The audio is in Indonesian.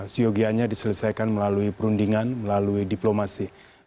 siogianya diselesaikan melalui perundingan melalui diplomasi